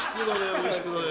おいしくなれ！